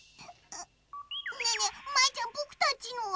ねえねえ舞ちゃんぼくたちのは？